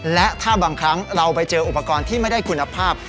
และถ้าบางครั้งเราไปเจออุปกรณ์ที่ไม่ได้คุณภาพ